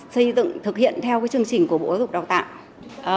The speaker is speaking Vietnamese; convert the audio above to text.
xây dựng thực hiện theo chương trình của bộ giáo dục đào tạo